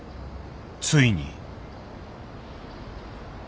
ついに。